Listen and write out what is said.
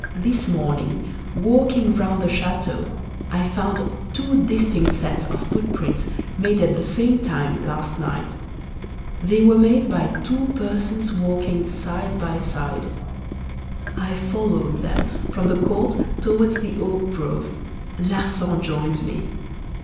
This morning, walking round the chateau, I found two distinct sets of footprints, made at the same time, last night. They were made by two persons walking side by side. I followed them from the court towards the oak grove. Larsan joined me.